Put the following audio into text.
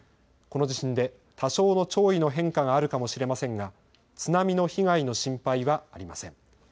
この地震で多少の潮位の変化があるかもしれませんが津波の被害の心配はありません。